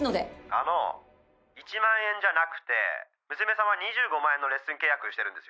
あの１万円じゃなくて☎娘さんは２５万円のレッスン契約してるんですよ